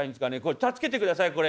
助けて下さいこれ。